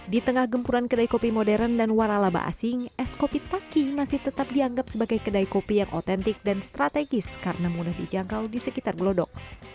di tengah gempuran kedai kopi modern dan waralaba asing es kopi taki masih tetap dianggap sebagai kedai kopi yang otentik dan strategis karena mudah dijangkau di sekitar gelodok